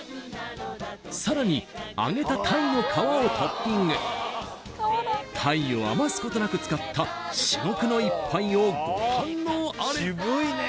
さらに揚げた鯛の皮をトッピング鯛を余すことなく使った至極の一杯をご堪能あれ！